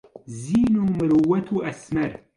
زین و مرۆت و ئەسمەر